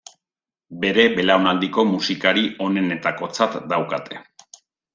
Bere belaunaldiko musikari onenetakotzat daukate.